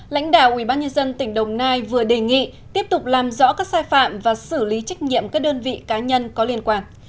lãnh đạo ubnd tỉnh đồng nai vừa đề nghị tiếp tục làm rõ các sai phạm và xử lý trách nhiệm các đơn vị cá nhân có liên quan